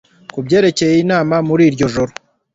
kubyerekeye inama muri iryo joro